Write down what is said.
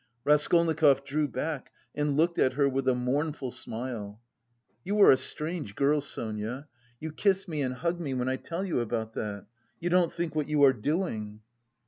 Raskolnikov drew back and looked at her with a mournful smile. "You are a strange girl, Sonia you kiss me and hug me when I tell you about that.... You don't think what you are doing."